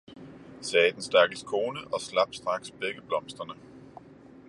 sagde den stakkels kone og slap straks begge blomsterne.